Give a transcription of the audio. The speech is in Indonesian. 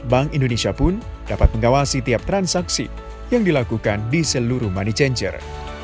bank indonesia pun dapat mengawasi tiap transaksi yang dilakukan di seluruh money changer